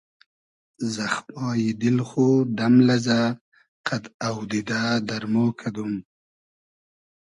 زئخمای دیل خو دئم لئزۂ قئد اۆدیدۂ دئرمۉ کئدوم